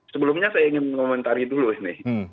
sebelumnya saya ingin mengomentari dulu ini